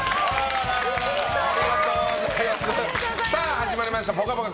始まりました「ぽかぽか」